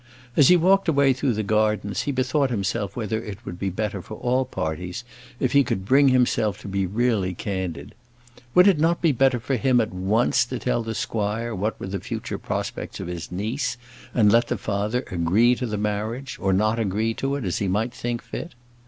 As he walked away through the gardens, he bethought himself whether it would be better for all parties if he could bring himself to be really candid. Would it not be better for him at once to tell the squire what were the future prospects of his niece, and let the father agree to the marriage, or not agree to it, as he might think fit.